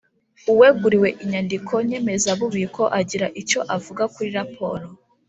Uweguriwe inyandiko nyemezabubiko agira icyo avuga kuri raporo